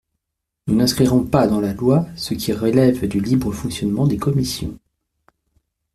Nous n’inscrirons pas dans la loi ce qui relève du libre fonctionnement des commissions.